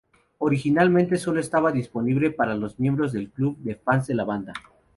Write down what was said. Originalmente, solo estaba disponible para los miembros del club de fans de la banda.